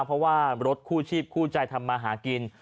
เพราะว่ารถคู่ชีพคู่ใจทำมาหากิน